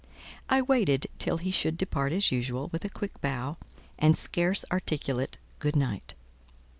I waited till he should depart as usual, with a quick bow and scarce articulate "good night.".